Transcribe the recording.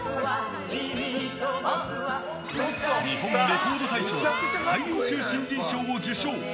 日本レコード大賞最優秀新人賞を受賞。